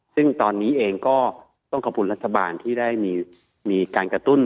ซึ่งตอนนี้เองก็ต้องขอบคุณรัฐบาลที่ได้มีการกระตุ้น